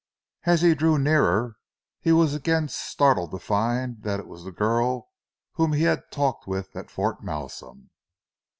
As he drew nearer he was again startled to find that it was the girl whom he had talked with at Fort Malsun.